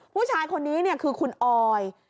ผู้ชายคนนี้คือคุณออย